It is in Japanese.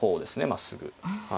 まっすぐ。